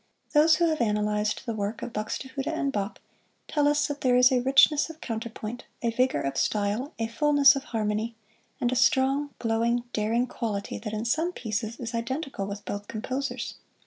Those who have analyzed the work of Buxtehude and Bach tell us that there is a richness of counterpoint, a vigor of style, a fulness of harmony, and a strong, glowing, daring quality that in some pieces is identical with both composers.